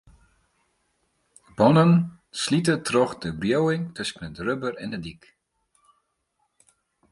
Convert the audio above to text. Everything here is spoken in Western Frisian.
Bannen slite troch de wriuwing tusken it rubber en de dyk.